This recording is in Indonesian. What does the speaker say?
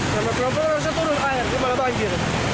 sama proper harusnya turun air gimana banjirnya